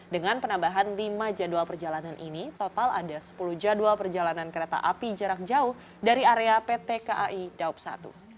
dengan penambahan lima jadwal perjalanan ini total ada sepuluh jadwal perjalanan kereta api jarak jauh dari area pt kai daup satu